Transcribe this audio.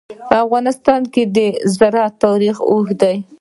په افغانستان کې د زراعت تاریخ اوږد دی.